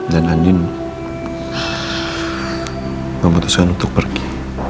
dan andin memutuskan untuk pergi